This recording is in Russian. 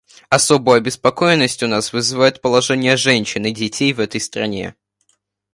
Особую обеспокоенность у нас вызывает положение женщин и детей в этой стране.